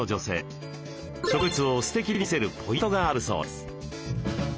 植物をステキに見せるポイントがあるそうです。